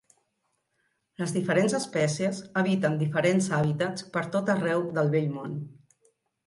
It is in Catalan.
Les diferents espècies habiten diferents hàbitats per tot arreu del Vell Món.